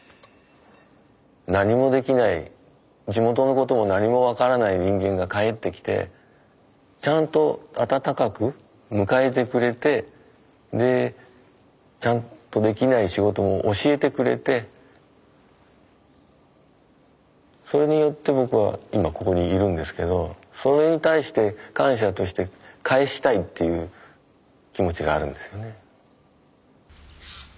何もできない地元のことも何も分からない人間が帰ってきてちゃんと温かく迎えてくれてでちゃんとできない仕事も教えてくれてそれによって僕は今ここにいるんですけどそれに対して感謝として返したいっていう気持ちがあるんですね。